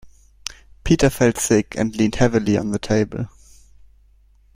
Peter felt sick, and leaned heavily on the table